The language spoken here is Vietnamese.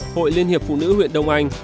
hội liên hiệp phụ nữ huyện đông anh